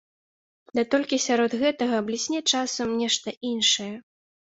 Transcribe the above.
Ды толькі сярод гэтага блісне часам нешта іншае.